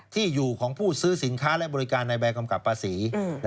ที่อยู่ของผู้ซื้อสินค้าและบริการในใบกำกับภาษี